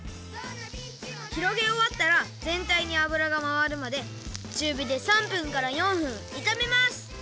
ひろげおわったらぜんたいにあぶらがまわるまでちゅうびで３分から４分いためます。